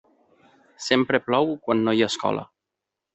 Sempre plou quan no hi ha escola.